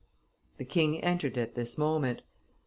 The king entered at this moment.